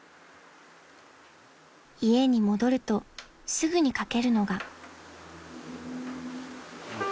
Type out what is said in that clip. ［家に戻るとすぐにかけるのが］